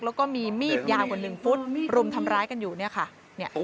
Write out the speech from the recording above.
แล้วก็มีมีดยาวกว่า๑ฟุตรุมทำร้ายกันอยู่เนี่ยค่ะ